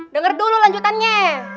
dengar dulu lanjutannya